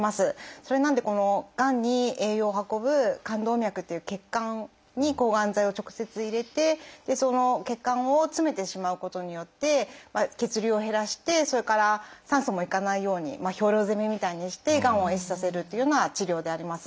それなのでがんに栄養を運ぶ肝動脈という血管に抗がん剤を直接入れてその血管を詰めてしまうことによって血流を減らしてそれから酸素も行かないように兵糧攻めみたいにしてがんを壊死させるというような治療であります。